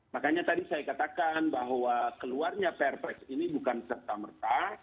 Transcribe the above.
makanya tadi saya katakan bahwa keluarnya perpres ini bukan serta merta